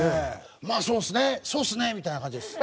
まあ「そうっすねそうっすね！」みたいな感じです。